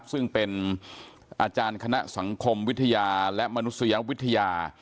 ซึ่งเป็นอาจารย์คณะสังคมวิทยาและมนุษยวิทยา